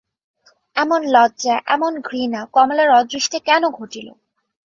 এমন লজ্জা, এমন ঘৃণা কমলার অদৃষ্টে কেন ঘটিল!